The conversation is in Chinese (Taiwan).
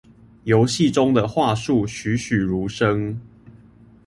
遊戲中的樺樹栩詡如生